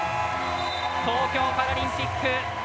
東京パラリンピック